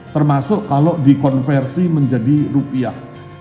termasuk kalau dikonversi menjadi rupiah